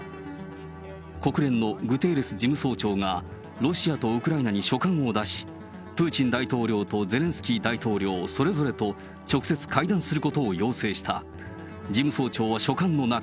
国連のグテーレス事務総長が、ロシアとウクライナに書簡を出し、プーチン大統領とゼレンスキー大統領、それぞれと、直接会談することを要請した。